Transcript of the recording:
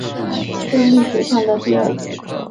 是历史上的第二次